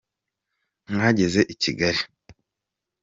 Mwageze ikigali?